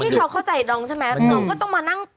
นี่เขาเข้าใจน้องใช่ไหมน้องก็ต้องมานั่ง